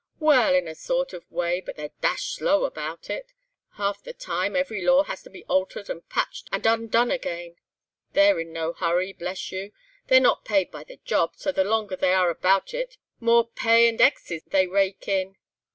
"Well, in a sort of way, but they're dashed slow about it. Half the time, every law has to be altered and patched and undone again. They're in no hurry, bless you!—they're not paid by the job; so the longer they are about it the more pay and 'exes' they rake in."